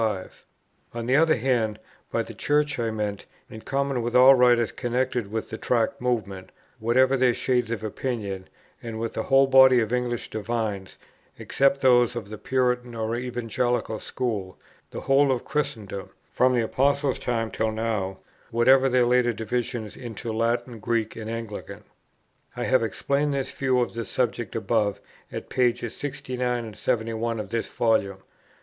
On the other hand, by Church I meant, in common with all writers connected with the Tract Movement, whatever their shades of opinion, and with the whole body of English divines, except those of the Puritan or Evangelical School, the whole of Christendom, from the Apostles' time till now, whatever their later divisions into Latin, Greek, and Anglican. I have explained this view of the subject above at pp. 69 71 of this Volume.